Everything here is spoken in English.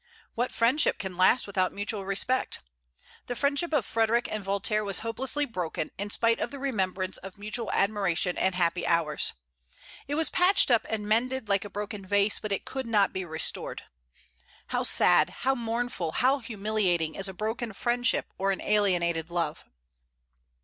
What friendship can last without mutual respect? The friendship of Frederic and Voltaire was hopelessly broken, in spite of the remembrance of mutual admiration and happy hours. It was patched up and mended like a broken vase, but it could not be restored. How sad, how mournful, how humiliating is a broken friendship or an alienated love!